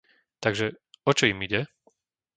Takže, o čo im ide?